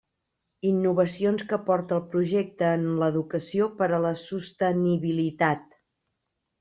Innovacions que aporta el projecte en l'educació per a la sostenibilitat.